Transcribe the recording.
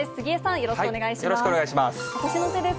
よろしくお願いします。